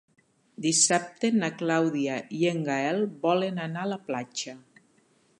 Dissabte na Clàudia i en Gaël volen anar a la platja.